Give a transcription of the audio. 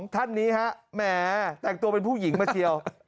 ท่านนี้ฮะแหมแต่งตัวเป็นผู้หญิงมาเชียว